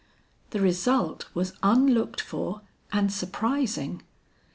The result was unlooked for and surprising.